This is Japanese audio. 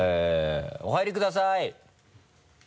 お入りください。